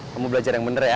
kamu belajar yang bener ya